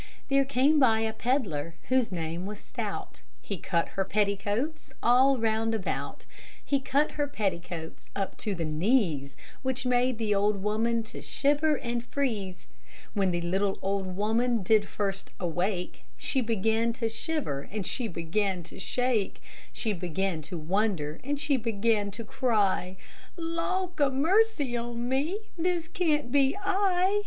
There came by a pedlar whose name was Stout, He cut her petticoats all round about; He cut her petticoats up to the knees, Which made the old woman to shiver and freeze. When the little old woman first did wake, She began to shiver and she began to shake; She began to wonder and she began to cry, "Lauk a mercy on me, this can't be I!